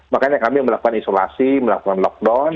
makanya kami melakukan isolasi melakukan lockdown